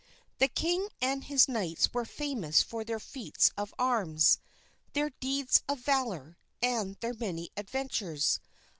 The king and his knights were famous for their feats of arms, their deeds of valor, and their many adventures.